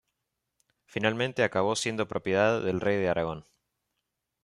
Finalmente acabó siendo propiedad del Rey de Aragón.